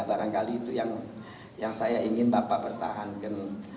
barangkali itu yang saya ingin bapak pertahankan